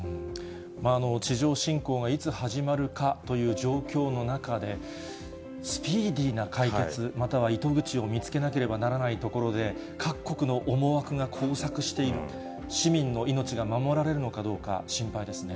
地上侵攻がいつ始まるかという状況の中で、スピーディーな解決、または糸口を見つけなければならないところで、各国の思惑が交錯している、市民の命が守られるのかどうか、心配ですね。